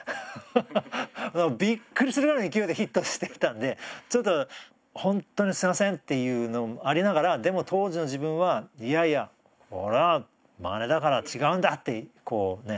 ハハハ！びっくりするぐらいの勢いでヒットしてきたんでちょっと「ほんとにすいません」っていうのありながらでも当時の自分は「いやいやこれはまねだから違うんだ」ってこうね